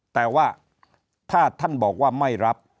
แต่ว่าถ้าท่านบอกว่าไม่รับ